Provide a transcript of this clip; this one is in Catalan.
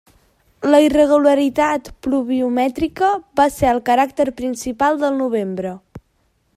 La irregularitat pluviomètrica va ser el caràcter principal del novembre.